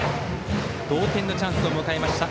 同点のチャンスを迎えました